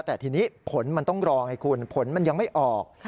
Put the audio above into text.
แต่ทีนี้ผลมันต้องรอไงคุณผลมันยังไม่ออก